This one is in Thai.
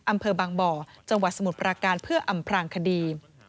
อำเภอบางบ่อจังหวัดสมุทรปราการเพื่ออำพลางคดี